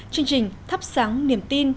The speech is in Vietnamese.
chương trình thắp sáng niềm tin